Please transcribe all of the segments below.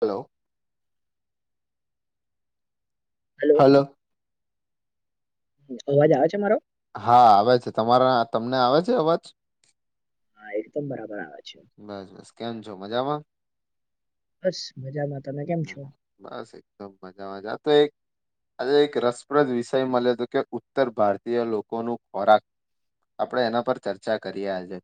Hello hello અવાજ આવે છે મારો હા આવે છે તમારા તમને આવે છે અવાજ હા એકદમ બરાબર આવે છે બસ બસ કેમ છો મજામાં બસ મજામાં તમે કેમ છો બસ એકદમ મજામાંજ આ તો એક આજે એક રસપ્રદ વિષય મળ્યો હતો કે ઉત્તર ભારતીય લોકોનું ખોરાક આપણેે એના પર ચર્ચા કરીએ આજે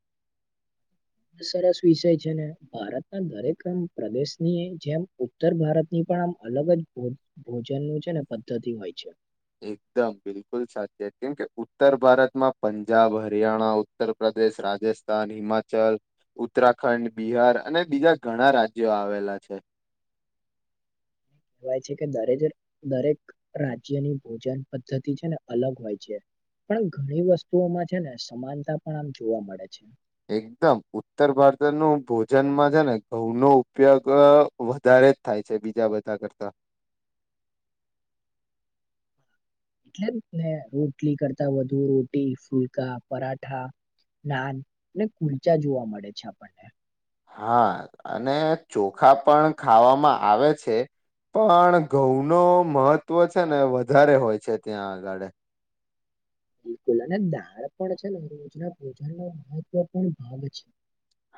સરસ વિષય છે ને ભારતના દરેક પ્રદેશની જેમ ઉત્તર ભારતની પણ અલગ જ ભોજન નું છે ને પદ્ધતિ હોય છે એકદમ બિલકુલ સાચત કેમ કે ઉત્તર ભારતમાં પંજાબ હરિયાણા ઉત્તર પ્ર પ્રદેશ રાજસ્થાન હિમાચલ ઉત્તરાખંડ બિહાર અને બીજા ઘણા રાજ્યો આવેલા [inaudible] કહેવાય છે કે દરે દરેક રાજ્યની ભોજન પદ્ધતિ છે ને અલગ હોય છે પણ ઘણી વસ્તુઓમાં છે ને સમાનતા પણ આમ જોવા મળે છે એકદમ ઉત્તર ભારત ન ભોજનમાં છે ને ઘઉ નો ઉપયોગ વધારે થાય છે બીજા બધા કરતા એટલે જ ને રોટલી કરતા વધુ રોટી ફુલકા પરાઠા નાન કુલચા જોવા મળે છે આપણને હા અને ચોખા પણ ખાવામાં આવે છે પણ ઘઉં ન મહત્ત્વ છે ને વધારે હોય છે ત્યાં આગળ બિલકુલ અને દાળ પણ છેને રોજના ભોજનનો મહત્વ પણ ભાગ છે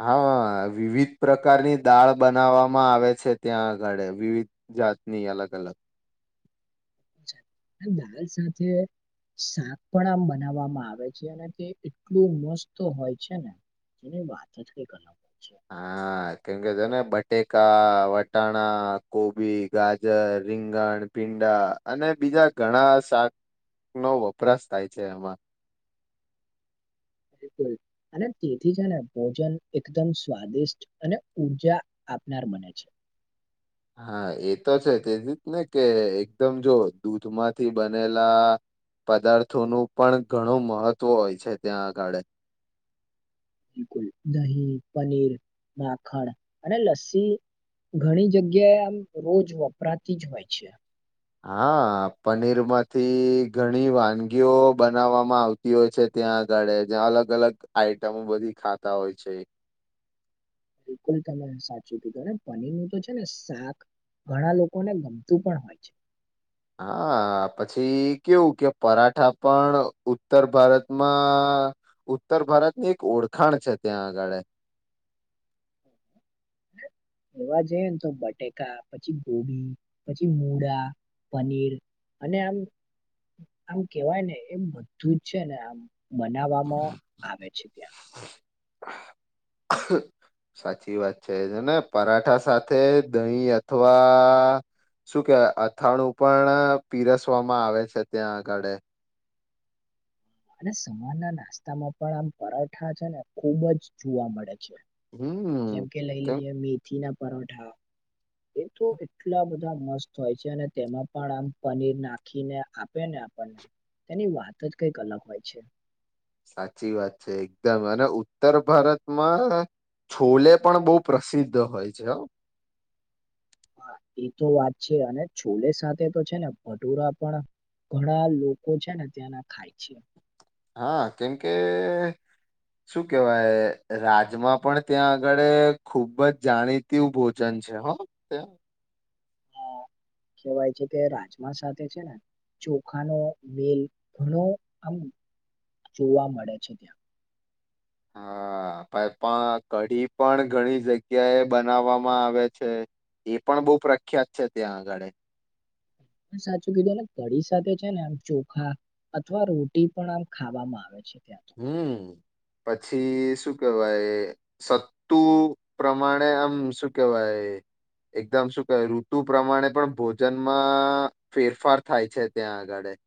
હા વિવિધ પ્રકારની દાળ બનાવામાં આવે છે ત્યાં આગળ વિવિધ જાતની અલગ અલગ દાલ સાથે શાક પણ આમ બનાવવામાં આવે છે અને તે એટલું મસ્ત હોય છે ને વાત જ કઈ કર હા કેમ કે છેને બટેકા વટાણા કોબી ગાજર રીંગણ પીંડા અને બીજા ઘણા શાક નો વપરાશ થાય છે એમાં [inaudible] બિલુલ અને તેથી છે ને ભોજન એકદમ સ્વાદિષ્ટ અને ઉર્જા આપનાર મને છે [inaudible] હા એ તો છે તેથી જ ને કે એકદમ જો દૂધમાંથી બનેલા પદાર્થોનું પણ ઘણું મહત્વ હોય છે ત્યાં આગળે બિલકુલ દહીં પનીર માખણ અને લસ્સી ઘણી જગ્યાએ આમ રોજ વપરાતી જ હોય છે હા પનીર માંથી ઘણી વાનગીઓ બનાવવામાં આવતી હોય છે ત્યાં આગળ જ્યાં અલગ અલગ આઈટમો બધી ખાતા હોય છે બિલકુલ તમે સાચું કીધું પનીરનુંું તો છે ને શાક ઘણા લોકોને ગમતું પણ હોય છે હા પછી કેવું કે પરાઠા પણ ઉત્તર ભારતમાં હા ઉત્તર ભારતની એક ઓળખાણ છે ત્યાં આગળ [inaudible] એવા જઈ ને તો બટેકા પછી ગોભી પછી મૂળા પનીર અને આમ આમ કેવાય ને એમ બધું જ છે ને આમ મનાવવામાં આવે છે ત્યાં [unintelligible] સાચી વાત છે ને પરાઠા સાથે દહીં અથવા શું કેવાય અથાણું પણ પીરસવામાં આવે છે ત્યાં આગળે અને સવાર ના નાસ્તામાં પણ આમ પરાઠા છે ને ખુબ જ જોવા મળે છે જેમ હમ કે લઈ કેમ લઈએ મેથી ના પરોઠા એ તો એટલા બધા મસ્ત હોય છે અને તેમાં પણ આમ પનીર નાખીને આપે ને આપને તેની વાત જ કઈક અલગ હોય છે સાચી વાત છે એકદમ અને ઉત્તર ભારતમાં છોલે પણ બહુ પ્રસિદ્ધ હોય છે હ હા એ તો વાત છે અને છોલે સાથે તો છે ને ભટુરા પણ ઘણા લોકો છે ને ત્યાંના ખાય છે હા કેમ કે શું કેવાય રાજમા પણ ત્યાં આગળ ખુબ જ જાણીતુ ભોજન છે છે હ તે [inaudible] કેવાય છે કે રાજમા સાથે છે ને ચોખાનો મેલ ઘણો આમ જોવા મળે છે ત્યાં હા હ ભાઈપણ કઢી પણ ઘણી જગ્યા એ બનાવવામાં આવે છે એ પણ બહુ પ્રખ્યાત છે ત્યાં આગળ પણ સાચુ કીધું અને કળી સાથે છે ને આમ ચોખા અથવા રોટી પણ આમ ખાવામાં આવે છે. ત્યાં તો હમ પછી શું કેવાય સતુ પ્રમાણે આમ શું કેવાય એ એકદમ શું કહે ઋતુ પ્રમાણે પણ ભોજનમાં ફેરફાર થાય છે ત્યાં આગળે. [inaudible]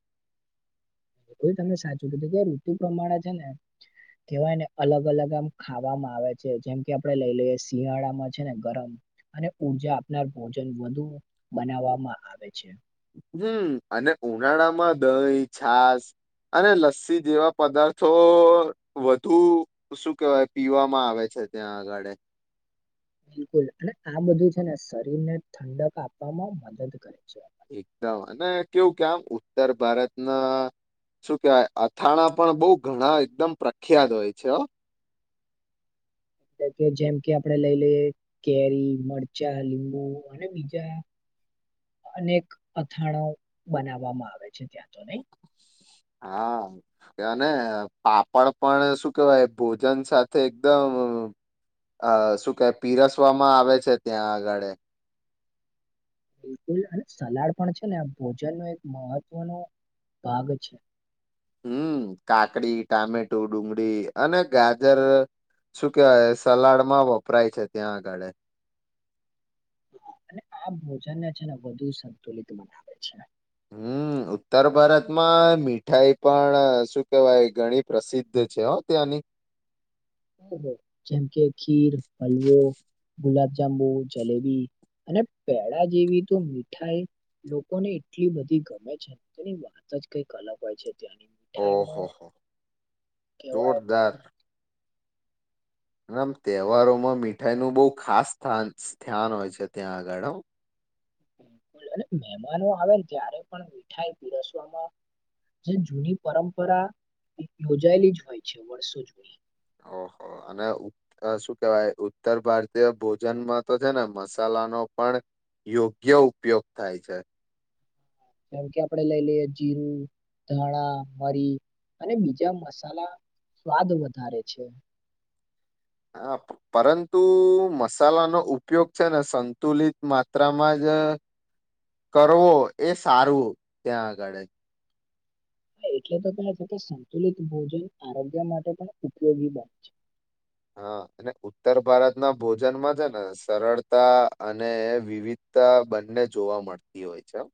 આ તો બઉ તમે સાચું કીધું કે ઋતુ પ્રમાણે છે ને કેવાય ને અલગ-અલગ આમ ખાવામાં આવે છે જેમ કે આપડે લઈ લઈએ શિયાળામાં છે ને ગરમ અને ઉર્જા આપનાર ભોજન વધુ બનાવામાં આવે છે. હમ, અને ઉનાળામાં દહી, છાસ અને લસ્સી જેવા પદાર્થો વધુ શું કેવાય પીવામાં આવે છે. ત્યાં અગાળે. બિલકુલ. અને આ બધું છે ને શરીર ને ઠંડક આપવામાં મદદ કરે છે. એકદમ અને કેવું કે આમ ઉત્તર ભારતના શું કેવાય અથાણા પણ બહુ ઘણા એકદમ પ્રખ્યાત હોય છે હો. એટલે કે જેમ કે આપડે લઈ લઈએ કેરી, મરચાં, લીંબુ અને બીજા [inaudible] અનેક અથાણા બનાવામાં આવે છે. ત્યાં તો નઈ. હા, અ અને પાપડ પણ શું કેવાય ભોજન સાથે એકદમ અ શું કે પીરસવામાં આવે છે ત્યાં આગળ એમ. બિલકુલ અને સલાડ પણ છેને અ ભોજનનો એક મહત્વનો ભાગ છે. હમ. કાકડી, ટામેટો, ડુંગળી, અને ગાજર શું કેવાય સલાડમાં વપરાય છે ત્યાં આગળે. અને આ ભોજનને છે ને વધુ સંતુલિત બનાવે છે. હમ. ઉત્તર ભારતમાં મીઠાઈ પણ શું કેવાય ઘણી પ્રસિદ્ધ છે હો ત્યાંની. [inaudible] ઓહો. જેમ કે જાંબુ, જલેબી અને પેડા જેવી તો મીઠાઈ લોકોને એટલી બધી ગમે છે તેની વાત જ કઈક અલગ હોય છે. ત્યાંની ઓહો મીઠાઈનું હો કેવાય જોરદાર આમ, તહેવારોમાં મીઠાઈનું બઉ ખાસ સ્થાન સ્થયાન હોય છે ત્યાં આગળ હો. [unintelligible] અને મહેમાનો આવે ને ત્યારે પણ મીઠાઈ પીરસવામાં જે જૂની પરંપરા યોજાયેલી જ હોય છે વર્ષો જૂની. ઓહો, અને ઉ અ શું કેવાય ઉત્તર ભારતીય ભોજનમાં તો છે ને મસા લાનો પણ યોગ્ય ઉપયોગ થાય છે. જેમ કે, આપડે લઈ લઈએ જીરું, ધાણા, મરી અને બીજા મસાલા સ્વાદ વધારે છે. હા, પરંતુ મસાલાનો ઉપયોગ છે ને સંતુલિત માત્રામાં જ કરવો એ સારું ત્યાં આગળ. હન, એટલે તો કે છે કે સંતુલિત ભોજન આરોગ્ય માટે પણ ઉપયોગી બને છે. હા અને ઉત્તર ભારતના ભોજનમાં છે ને સરળતા અને વિવિધ તા બંને જોવા મળતી હોય છે હો.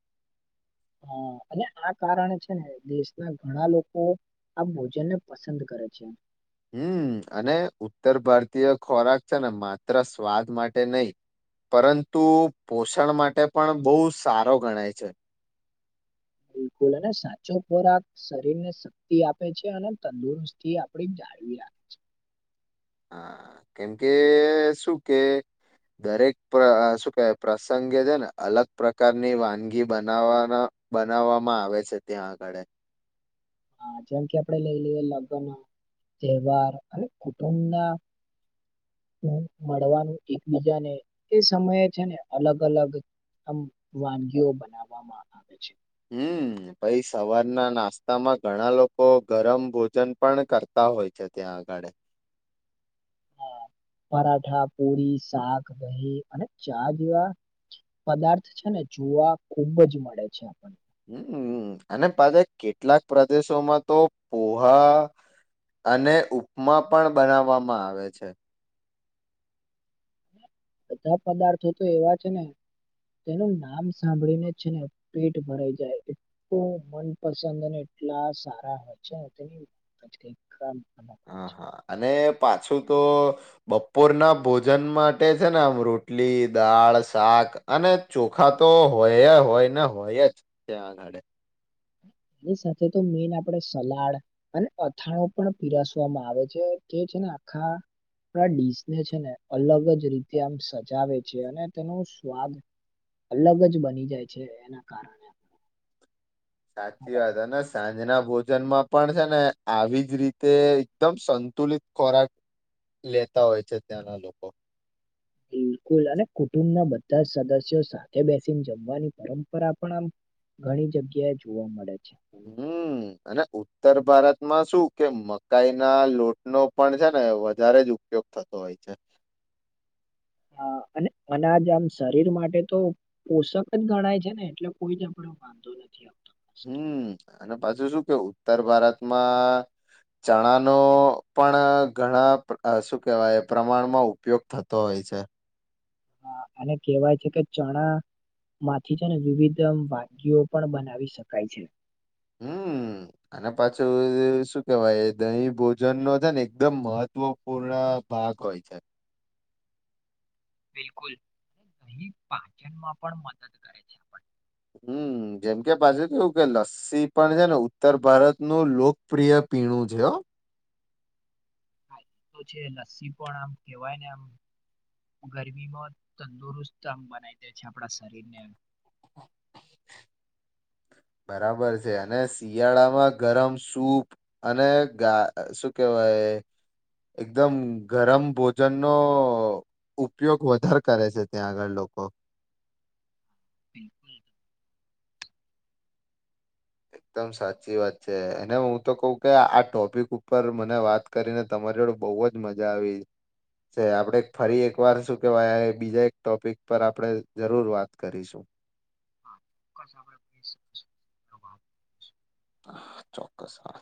હા, અને આ કારણે છે ને દેશના ઘણા લોકો આ ભોજનને પસંદ કરે [unintelligible] છે. હમ અને ઉત્તર ભારતીય ખોરાક છે ને માત્ર સ્વાદ માટે નઈ પરંતુ પોષણ માટે પણ બઉ સારો ગણાય છે. બિલકુલ અને સાચો ખોરાક શરીરને શક્તિ આપે છે. અને તંદુરસ્તી આપડી જાળવી વી રાખે છે. હા કેમ કે શું કે. દરેક શું કેવાય પ્રસંગે છે ને અલગ પ્રકારની વાનગી બનાવાના. બનાવવામાં આવે છે ત્યાં આગળ. હા જેમ કે આપડે લઈ લઈએ લગ્નમાં. તહેવાર અને કુટુંબના. મળવાનું એકબીજાને એ સમયે છે ને અલગ અલગ. આમ વાનગીઓ બનાવવામાં આવે છે. હમ પછી સવારના નાસ્તામાં ઘણા લોકો ગરમ ભોજન પણ કરતા. હોય છે ત્યાં આગળ. હા, પરાઠા પૂરી શાક દહી અને ચા જેવા પદાર્થ છે ને. જોવા ખુબ જ મળે છે આપણને. હમ અને પાછા કેટલાક પ્રદેશોમાં તો પોહા. અને ઉપમા પણ બનાવવામાં આવે છે. બધા પદાર્થો તો એવા છે ને. તેનું નામ સાંભળીને છે ને પેટ ભરાઈ જાય એટલું મનપસંદ અને. એટલા સારા હોય છે. અલગ હોય હા છે. હા અને પાછું. તો બપોર ના ભોજન માટે છે ને આમ રોટલી દાળ શાક અને. ચોખા તો હોય હોય ને હોય જ છે આગળે. એની સાથે તો મેન આપણેે સલાડ અને અથાણો પણ પીરસવામાં આવે છે તે. છે ને આખા. આખાડીસને છે ને અલગ જ રીતે આમ સજાવે છે અને તેનું સ્વાદ. અલગ જ બની જાય છે એના કારણે. સાચી વાત હ સાંજે. એના ભોજનમાં પણ છે ને આવી જ રીતે એકદમ સંતુલિત ખોરાક લેતા હોય છે ત્યાંના લોકો ફુલ અને કુટુંબના બધા સદસ્યો સાથે બેસીને જમવાની પરંપરા પણ આમ ઘણી જગ્યાએ જોવા મળે છે. હમ અને ઉત્તર ભારત માં શું કે મકાઈના લોટ નો પણ છે ને વધારે જ ઉપયોગ થતો હોય છે. [inaudible] આ અને અનાજ આમ શરીર માટે તો પોષક જ ગણાય છે ને એટલે કોઈને પણ ભાવતો નથી. હમ અને પાછુ શું કે ઉત્તર ભારતમાં ચણાનો પણ ઘણા શું કેવાય પ્રમાણમાં ઉપયોગ થતો હોય. છે. હા અને કેહેવાય છે કે ચણા માથી છેને વિવિધ એમ વાનગીઓ પણ બનાવી શકાય છે. હમ અને પાછું શું કેવાય દહીં ભોજનનો છે ને એકદમ મહ ત્વ પૂર્ણ ભાગ હોય છે. બિલકુલ અહી પાચનમાં પણ મદદ કરે છે આપણને હમ જેમ કે પાછુ કેવું કે લસ્સી પણ છે ને ઉત્તર ભારતનું લોકપ્રિય પીણું છે હ [inaudible] તો છે લસ્સી પણ આમ કેવાય ને આમ ગરમીમાં તંદુરસ્ત એમ બનાવી દે છે આપણા શરીરને [inaudible] બરાબર છે અને શિયાળામાં ગરમ સૂપ અને ગા શું કેવાય એકદમ ગરમ ભોજનનો ઉપયોગ વધારે કરે છે ત્યાં આગળ લોકો બિલકુલ [inaudible] એકદમ સાચી વાત છે અને હું તો કઉ કે આ ટોપિક ઉપર મને વાત કરીને તમારી જોડે બઉ બોવ જ મજા આવી છે આપડે ફરી એકવાર શું કેવાય બીજા એક ટોપિક પર આપણે જરૂર વાત કરીશું. [inaudible] હા ચોક્કસ હા